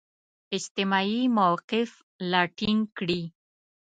اجتماعي موقف لا ټینګ کړي.